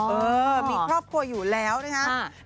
เออมีครอบครัวอยู่แล้วนะครับ